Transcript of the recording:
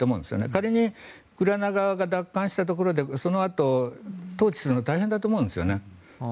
仮にウクライナ側が奪還したところでそのあと統治するのは大変だと思うんですね。